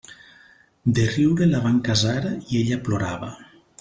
De riure la van casar i ella plorava.